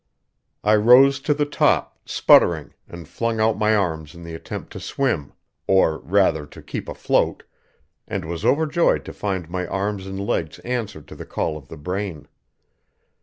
I rose to the top, sputtering, and flung out my arms in the attempt to swim or, rather, to keep afloat and was overjoyed to find my arms and legs answer to the call of the brain.